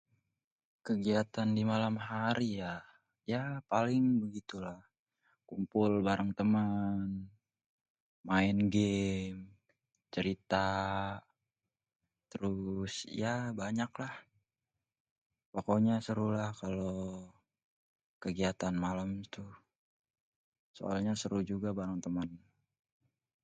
kégiatan dimalam hari ya, ya paling begitulah kumpul baréng témén maén gamé cérita trus ya banyak lah pokoknyé serulah kalo kégiatan malém tuh, soalnya seru juga bareng temen.